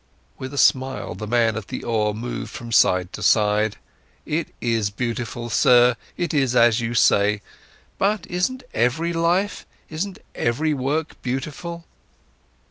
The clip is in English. With a smile, the man at the oar moved from side to side: "It is beautiful, sir, it is as you say. But isn't every life, isn't every work beautiful?"